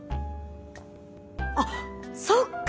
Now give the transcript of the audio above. あっそっか！